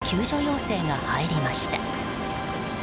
翌日、再び救助要請が入りました。